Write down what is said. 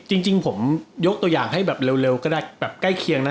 จริงผมยกตัวอย่างให้แบบเร็วก็ได้แบบใกล้เคียงนะ